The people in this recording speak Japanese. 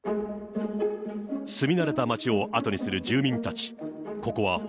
住み慣れた町を後にする住民たち。